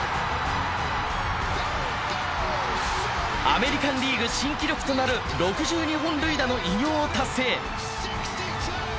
アメリカンリーグ新記録となるホームラン６２本の偉業を達成。